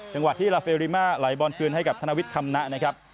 จังหวะที่ลาเฟริมาไหลบอลคืนให้กับธนวิทย์คำนะนะครับ